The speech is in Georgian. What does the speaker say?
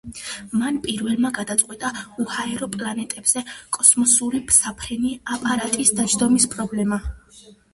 მან პირველმა გადაწყვიტა უჰაერო პლანეტებზე კოსმოსური საფრენი აპარატის დაჯდომის პრობლემა.